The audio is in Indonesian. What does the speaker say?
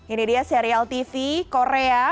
ini dia serial tv korea